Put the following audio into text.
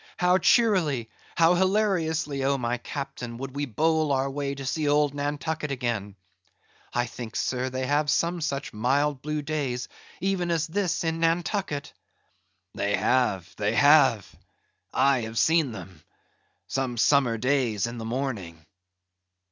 How cheerily, how hilariously, O my Captain, would we bowl on our way to see old Nantucket again! I think, sir, they have some such mild blue days, even as this, in Nantucket." "They have, they have. I have seen them—some summer days in the morning.